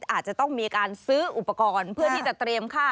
อาจจะต้องมีการซื้ออุปกรณ์เพื่อที่จะเตรียมค่า